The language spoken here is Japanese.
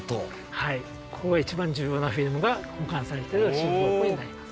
ここが一番重要なフィルムが保管されてる収蔵庫になります。